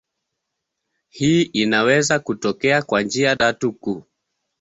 Hii inaweza kutokea kwa njia tatu kuu.